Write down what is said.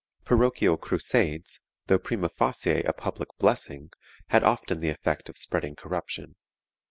Parochial crusades, though prima facie a public blessing, had often the effect of spreading corruption.